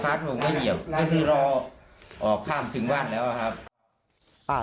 ค้าทุกคนก็เหยียบก็คือรอออกข้ามถึงว่านแล้วครับ